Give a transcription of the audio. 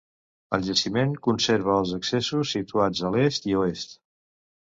El jaciment conserva els accessos situats a l'est i oest.